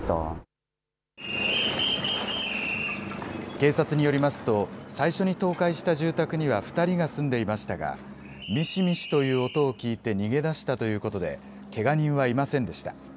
警察によりますと、最初に倒壊した住宅には２人が住んでいましたが、みしみしという音を聞いて逃げ出したということで、けが人はいませんでした。